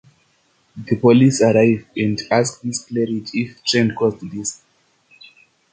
The police arrive and ask Miss Claridge if Trent caused this.